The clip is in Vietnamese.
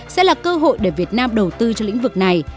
sẽ là cơ hội để việt nam đầu tư cho lĩnh vực này